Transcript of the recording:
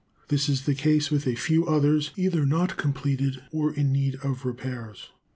This is the case with a few others, either not completed or in need of repairs.